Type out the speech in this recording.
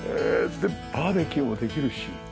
でバーベキューもできるし。